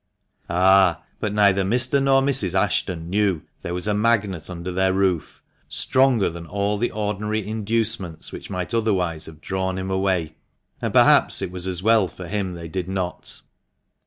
Ah, but neither Mr. nor Mrs. Ashton knew there was a magnet under their roof, stronger than all the ordinary inducements which might otherwise have drawn him away — and perhaps it was as well for him they did not.